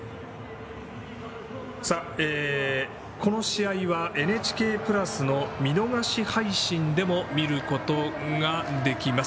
この試合は「ＮＨＫプラス」の見逃し配信でも見ることができます。